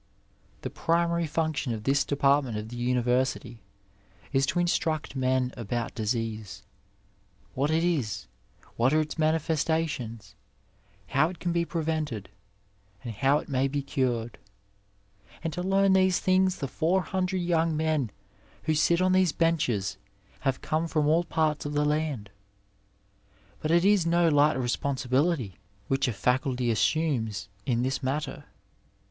The primary function of this department of the univer sity is to instruct men about disease, what it is, what are its manifestations, how it may be prevented, and how it may be cured ; and to learn these things the four hundred young men who sit on these benches have come from all parts of 127 Digitized by Google TEACHING AND THINKING the land. But it is no light responsibility which a facully assumes in this matter.